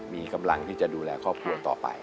มีกำลังที่จะดูแลครอบครัวต่อไป